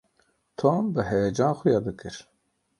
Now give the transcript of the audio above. Tom bi heyecan xuya dikir.